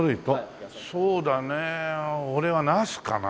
そうだね俺はナスかな。